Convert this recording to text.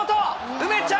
梅ちゃん！